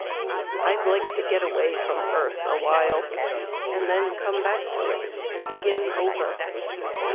I'd like to get away from earth awhile And then come back to it and begin over.